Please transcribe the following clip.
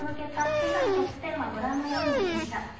今朝のトップ１０はご覧のようになりました。